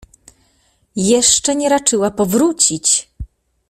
— Jeszcze nie raczyła powrócić!